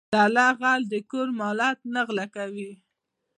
دله غل د کور مالت نه غلا کوي.